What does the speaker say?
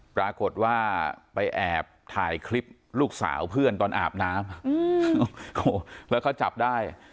ปรากฏว่าไปแอบถ่ายคลิปลูกสาวเพื่อนตอนอาบน้ำแล้วก็จับได้